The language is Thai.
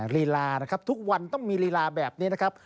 ลีลานะครับทุกวันต้องมีลีลาแบบนี้นะครับ